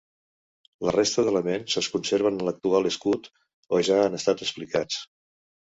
La resta d'elements es conserven en l'actual escut o ja han estat explicats.